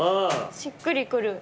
しっくりくる。